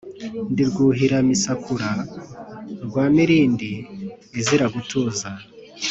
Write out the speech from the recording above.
ndi Rwuhiramisakura rwa Mirindi izira gutuza.